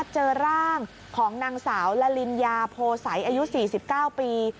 เจอร่างของนางสาวละลินยาโพสัยอายุ๔๙ปี